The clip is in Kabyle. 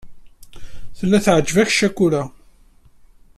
Tella teɛǧeb-ak ccakula.